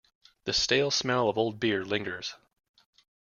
The stale smell of old beer lingers.